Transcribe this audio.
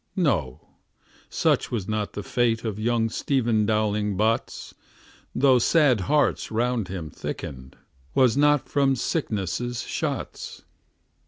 No; such was not the fate of Young Stephen Dowling Bots; Though sad hearts round him thickened, 'Twas not from sickness' shots.